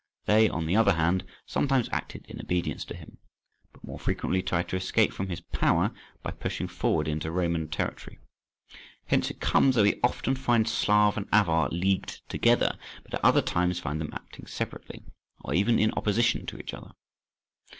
They, on the other hand, sometimes acted in obedience to him, but more frequently tried to escape from his power by pushing forward into Roman territory. Hence it comes that we often find Slav and Avar leagued together, but at other times find them acting separately, or even in opposition to each other.